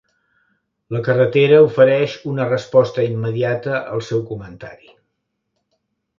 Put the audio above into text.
La carretera ofereix una resposta immediata al seu comentari.